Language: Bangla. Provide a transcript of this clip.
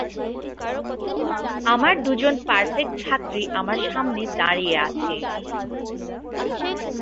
আমার দুজন পারফেক্ট ছাত্রী আমার সামনে দাঁড়িয়ে আছে।